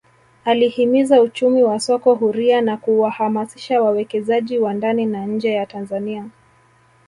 Alihimiza uchumi wa soko huria na kuwahamasisha wawekezaji wa ndani na nje ya Tanzania